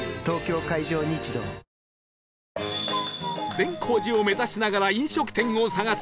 善光寺を目指しながら飲食店を探す